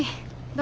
何？